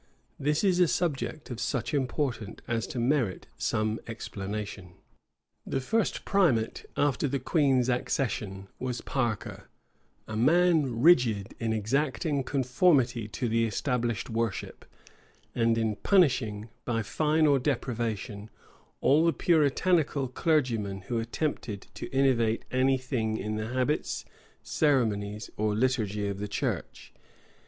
This is a subject of such importance as to merit some explanation. The first primate after the queen's accession, was Parker; a man rigid in exacting conformity to the established worship, and in punishing, by fine or deprivation, all the Puritanical clergymen who attempted to innovate any thing in the habits, ceremonies, or liturgy of the church.